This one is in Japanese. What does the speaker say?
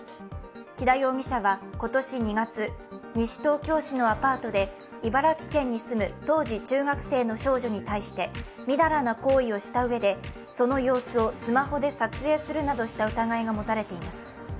木田容疑者は今年２月西東京市のアパートで茨城県に住む、当時中学生の少女に対して、みだらな行為をしたうえで、その様子をスマホで撮影するなどした疑いが持たれています。